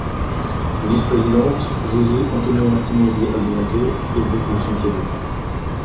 Vice-Présidente: José Antonio Martínez de Aldunate, évêque de Santiago.